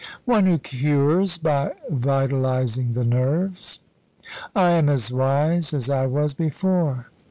"One who cures by vitalising the nerves." "I am as wise as I was before.